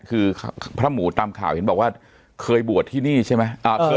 คือพระหมูตามข่าวเห็นบอกว่าเคยบวชที่นี่ใช่ไหม